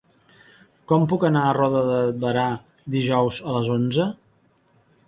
Com puc anar a Roda de Berà dijous a les onze?